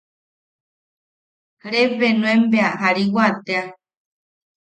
Rebbe nuen bea aa jariwa tea.